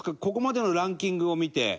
ここまでのランキングを見て。